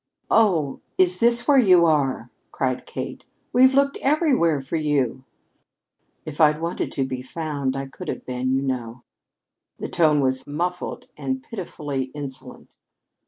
"Oh, is this where you are?" cried Kate. "We've looked everywhere for you." "If I'd wanted to be found, I could have been, you know." The tone was muffled and pitifully insolent.